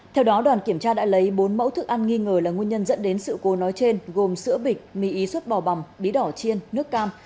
theo đó đoàn kiểm tra đã lấy bốn mẫu thức ăn nghi ngờ là nguyên nhân dẫn đến sự cố nói trên gồm sữa bịch mì ý xuất bò bằm bí đỏ chiên nước cam